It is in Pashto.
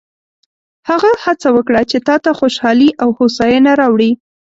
هغه هڅه وکړه چې تا ته خوشحالي او هوساینه راوړي.